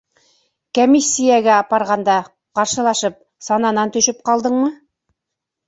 Кәмиссиәгә апарғанда, ҡаршылашып, сананан төшөп ҡалдыңмы?